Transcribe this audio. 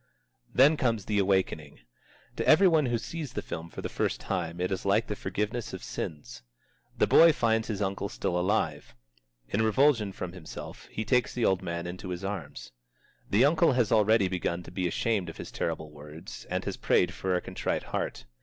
Then comes the awakening. To every one who sees the film for the first time it is like the forgiveness of sins. The boy finds his uncle still alive. In revulsion from himself, he takes the old man into his arms. The uncle has already begun to be ashamed of his terrible words, and has prayed for a contrite heart.